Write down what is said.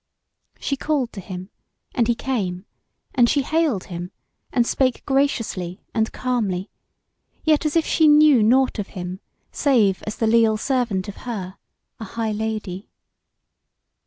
She called to him, and he came; and she hailed him, and spake graciously and calmly, yet as if she knew nought of him save as the leal servant of her, a high Lady.